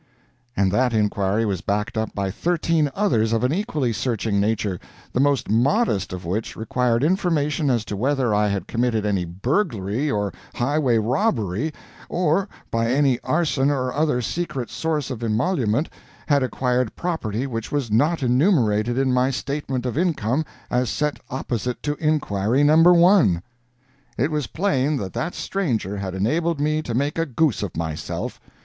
And that inquiry was backed up by thirteen others of an equally searching nature, the most modest of which required information as to whether I had committed any burglary or highway robbery, or, by any arson or other secret source of emolument had acquired property which was not enumerated in my statement of income as set opposite to inquiry No. 1. It was plain that that stranger had enabled me to make a goose of myself.